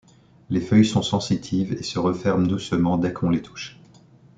Les feuilles sont sensitives et se referment doucement dès qu'on les touche.